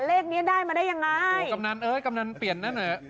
เลขเนี้ยได้มาได้ยังไงกำนันเอ้ยกำนันเปลี่ยนนั่นน่ะ